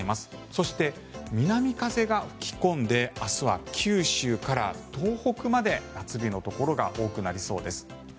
そして、南風が吹き込んで明日は九州から東北まで夏日のところが多くなりそうです。